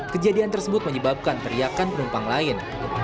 kejadian tersebut menyebabkan teriakan penumpang lain